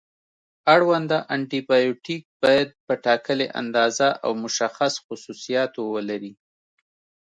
اړونده انټي بیوټیک باید په ټاکلې اندازه او مشخص خصوصیاتو ولري.